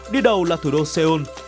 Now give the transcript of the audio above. đi đầu là thủ đô seoul